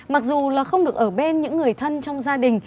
mặc dù là không được ở bên những người thân trong gia đình